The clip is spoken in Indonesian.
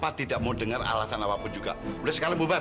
papa tidak mau dengar alasan apapun juga udah sekarang bubar